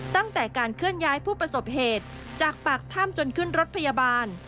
ตั้งแต่การเคลื่อนย้ายผู้ประสบเหตุจากปากถ้ำจนขึ้นรถพยาบาล